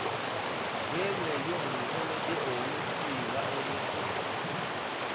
Weweeyo mu mikono gye owone okubibwa emiggo.